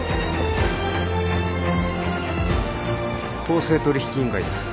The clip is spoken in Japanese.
公正取引委員会です。